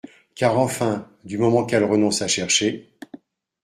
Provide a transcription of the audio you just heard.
Car enfin, du moment qu’elle renonce à chercher !…